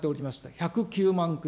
１０９万組。